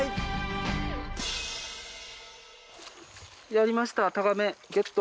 やりましたタガメゲット。